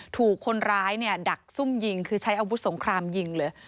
ถูกคนร้ายเนี่ยดักซุ่มยิงคือใช้อาวุธสงครามยิงเลย